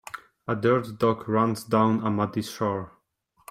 A dirt dog runs down a muddy shore.